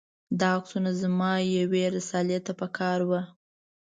دا عکسونه زما یوې رسالې ته په کار و.